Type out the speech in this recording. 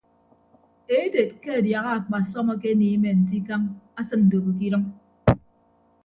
Eded ke adiaha akpasọm akeniime nte ikañ asịn ndobo ke idʌñ.